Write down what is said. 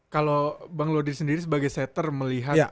kalau bang lodri sendiri sebagai setter melihat